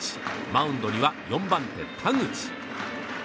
マウンドには４番手、田口。